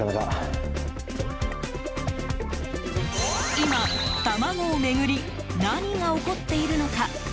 今、卵を巡り何が起こっているのか？